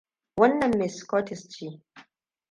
Wannan Miss Curtis ce.